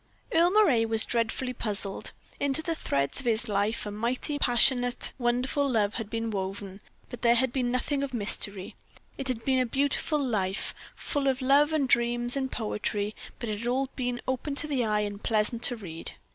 Earle Moray was dreadfully puzzled. Into the threads of his life a mighty, passionate, wonderful love had been woven, but there had been nothing of mystery. It had been a beautiful life, full of love, and dreams, and poetry, but it had all been open to the eye and pleasant to read.